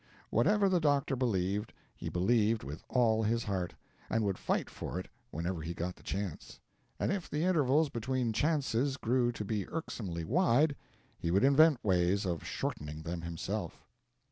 Whatever the doctor believed, he believed with all his heart, and would fight for it whenever he got the chance; and if the intervals between chances grew to be irksomely wide, he would invent ways of shortening them himself.